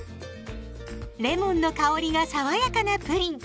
レモンの香りが爽やかなプリン！